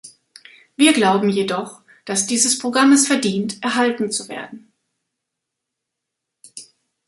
Wir glauben jedoch, dass dieses Programm es verdient, erhalten zu werden.